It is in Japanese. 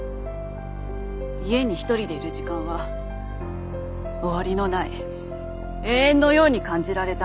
家に一人でいる時間は終わりのない永遠のように感じられた。